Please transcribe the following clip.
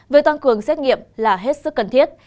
việc tăng cường xét nghiệm là hết sức cần thiết